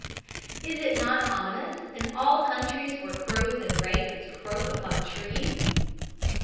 _) "Is it not ominous in all countries where crows and ravens croak upon trees?"